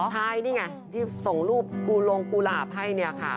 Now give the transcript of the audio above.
ใช่นี่ไงที่ส่งรูปกูลงกุหลาบให้เนี่ยค่ะ